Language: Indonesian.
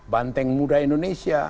banteng muda indonesia